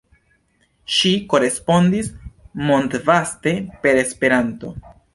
Ŝi korespondis mondvaste per Esperanto.